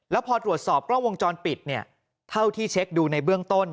แล้วพอตรวจสอบกล้องวงจรปิดเนี่ยเท่าที่เช็คดูในเบื้องต้น